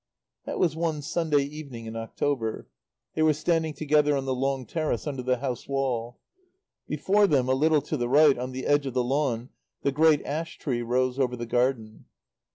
That was one Sunday evening in October. They were standing together on the long terrace under the house wall. Before them, a little to the right, on the edge of the lawn, the great ash tree rose over the garden.